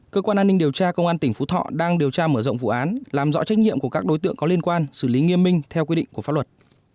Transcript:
cơ quan an ninh điều tra công an tỉnh phú thọ đang điều tra mở rộng vụ án làm rõ trách nhiệm của các đối tượng có liên quan xử lý nghiêm minh theo quy định của pháp luật